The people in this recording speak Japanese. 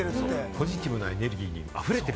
ポジティブなエネルギーにあふれてる。